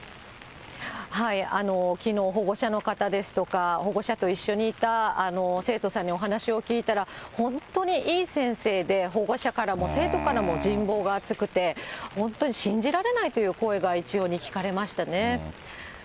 きのう、保護者の方ですとか、保護者と一緒にいた生徒さんにお話を聞いたら、本当にいい先生で、保護者からも生徒からも人望が厚くて、本当に信じられないという声が一様に聞かれましたね。